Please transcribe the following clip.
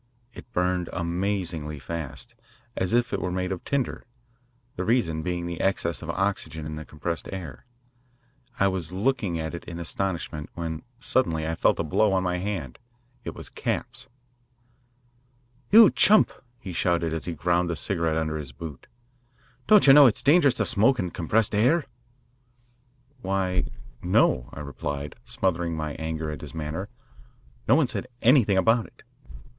It burned amazingly fast, as if it were made of tinder, the reason being the excess of oxygen in the compressed air. I was looking at it in astonishment, when suddenly I felt a blow on my hand. It was Capps. "You chump!" he shouted as he ground the cigarette under his boot. "Don't you know it is dangerous to smoke in compressed air?" "Why, no," I replied, smothering my anger at his manner. "No one said anything about it."